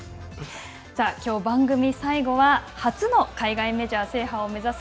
さあ、きょう番組最後は初の海外メジャー制覇を目指す